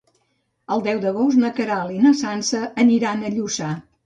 El deu d'agost na Queralt i na Sança aniran a Lluçà.